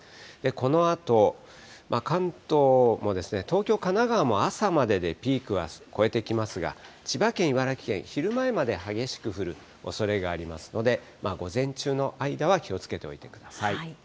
このあと、関東も、東京、神奈川も朝まででピークは越えてきますが、千葉県、茨城県、昼前まで激しく降るおそれがありますので、午前中の間は気をつけておいてください。